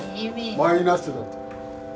マイナスだって。